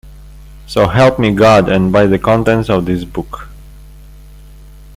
So help me God, and by the contents of this Book.